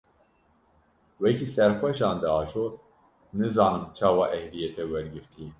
Wekî serxweşan diajot, nizanim çawa ehliyetê wergirtiye.